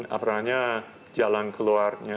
apa ranya jalan keluarnya